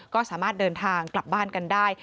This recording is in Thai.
ก็สามารถเดินทางกลับบ้านกันได้